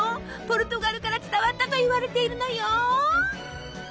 ポルトガルから伝わったといわれているのよ。